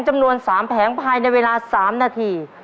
จำนวน๓แผงภายในเวลา๓นาที